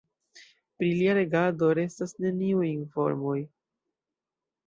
Pri lia regado restas neniuj informoj.